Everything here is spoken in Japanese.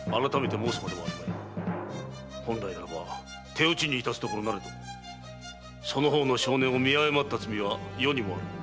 本来ならば手討ちにいたすところなれどその方の性根を見誤った罪は余にもある。